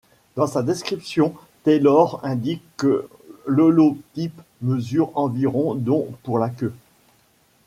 Dans sa description Taylor indique que l'holotype mesure environ dont pour la queue.